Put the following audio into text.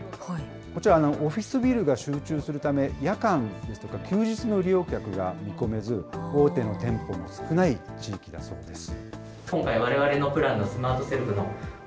こちら、オフィスビルが集中するため、夜間ですとか休日の利用客が見込めず、大手の店舗が少ない地域だそうです。